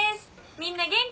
みんな元気？